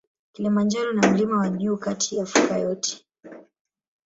Kilimanjaro na mlima wa juu katika Afrika yote.